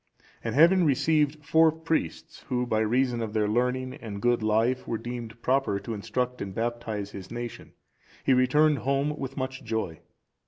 (405) And having received four priests, who by reason of their learning and good life were deemed proper to instruct and baptize his nation, he returned home with much joy.